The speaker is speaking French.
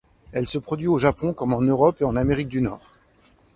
Elle se produit au Japon comme en Europe et en Amérique du Nord.